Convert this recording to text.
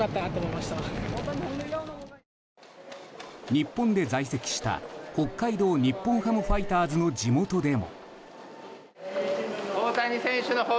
日本で在籍した北海道日本ハムファイターズの地元でも。